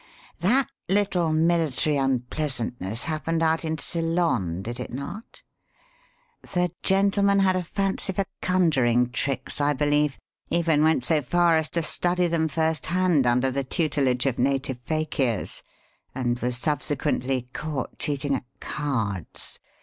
That little military unpleasantness happened out in Ceylon, did it not? The gentleman had a fancy for conjuring tricks, I believe; even went so far as to study them firsthand under the tutelage of native fakirs, and was subsequently caught cheating at cards.